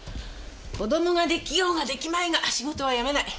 子供が出来ようが出来まいが仕事は辞めない。